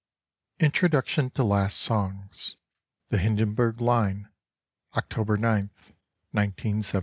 INTRODUCTION TO LAST SONGS The Hindenberg Line, October gth, 19 17.